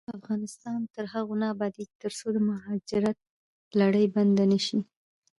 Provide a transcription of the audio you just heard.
افغانستان تر هغو نه ابادیږي، ترڅو د مهاجرت لړۍ بنده نشي.